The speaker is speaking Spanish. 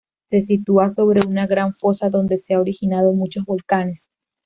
Se sitúa sobre una gran fosa donde se ha originado muchos volcanes.